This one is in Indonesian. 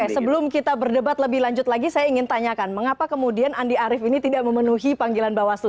sebelum kita berdebat lebih lanjut lagi saya ingin tanyakan mengapa kemudian andi arief ini tidak memenuhi panggilan bawaslu